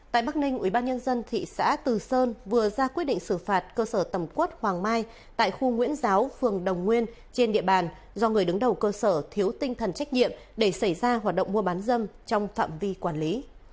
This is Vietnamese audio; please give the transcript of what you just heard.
tại bắc ninh ubnd thị xã từ sơn vừa ra quyết định xử phạt cơ sở tầm cuốt hoàng mai tại khu nguyễn giáo phường đồng nguyên trên địa bàn do người đứng đầu cơ sở thiếu tinh thần trách nhiệm để xảy ra hoạt động mua bán dâm trong phạm vi quản lý